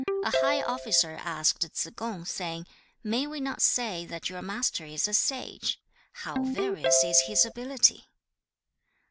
A high officer asked Tsze kung, saying, 'May we not say that your Master is a sage? How various is his ability!'